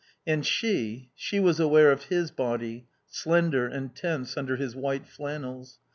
And she, she was aware of his body, slender and tense under his white flannels.